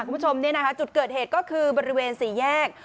คุณผู้ชมเนี่ยนะคะจุดเกิดเหตุก็คือบริเวณสี่แยก